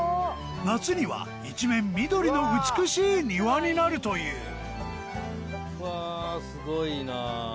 夏には一面緑の美しい庭になるといううわすごいなぁ。